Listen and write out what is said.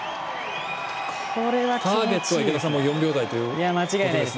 ターゲットは４秒台ということですね。